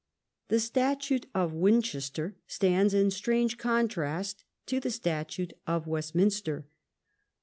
The Statute of Winchester stands in strange con trast to the Statute of Westminster.